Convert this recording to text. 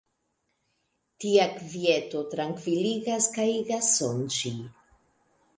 Tia kvieto trankviligas kaj igas sonĝi.